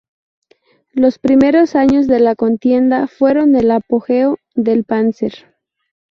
Los primeros años de la contienda fueron el apogeo del Panzer.